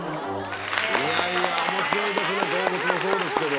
いやいや面白いですね